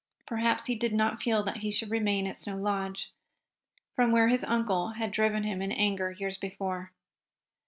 Perhaps he did not feel that he should remain in Snow Lodge, from where his uncle had driven him in anger years before.